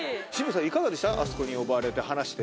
あそこに呼ばれて話して。